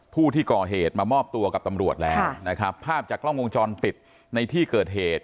ผู้ที่ก่อเหตุมามอบตัวกับตำรวจแล้วนะครับภาพจากกล้องวงจรปิดในที่เกิดเหตุ